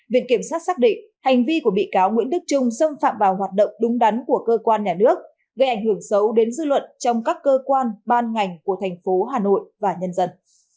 viện kiểm sát xác định hành vi của bị cáo nguyễn đức trung xâm phạm vào hoạt động đúng đắn của cơ quan nhà nước gây ảnh hưởng xấu đến dư luận trong các cơ quan ban ngành của thành phố hà nội và nhân dân